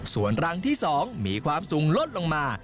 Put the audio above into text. ส่วนรังที่๒มีความสูงลดลงมา